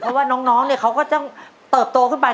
เพราะว่าน้องเนี่ยเขาก็ต้องเติบโตขึ้นไป